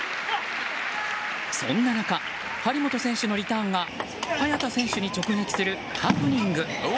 そんな中、張本選手のリターンが早田選手に直撃するハプニング。